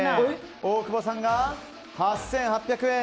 大久保さんが８８００円。